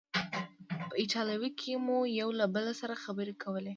په ایټالوي کې مو یو له بل سره خبرې کولې.